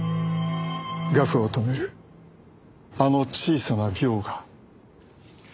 画布を留めるあの小さな鋲が。